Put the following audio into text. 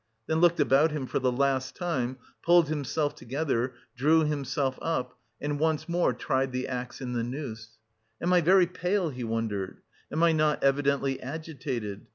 then looked about him for the last time, pulled himself together, drew himself up, and once more tried the axe in the noose. "Am I very pale?" he wondered. "Am I not evidently agitated?